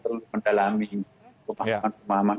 perlu mendalami pemahaman pemahaman